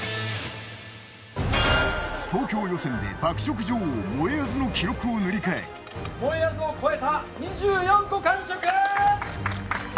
東京予選で爆食女王もえあずの記録を塗り替え。もえあずを超えた２４個完食！